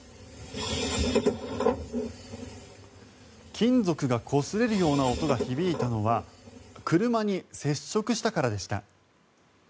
金属がこすれるような音が響いたのは車に接触したからでした。